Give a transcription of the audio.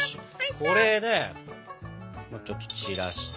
これでちょっと散らして。